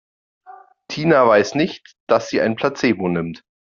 Tina weiß nicht, dass sie ein Placebo nimmt.